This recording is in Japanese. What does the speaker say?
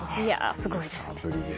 すごいですね。